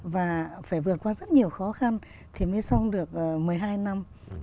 và phải vượt qua rất nhiều khó khăn thì mới xong được một mươi hai năm